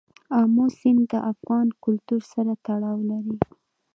آمو سیند د افغان کلتور سره تړاو لري.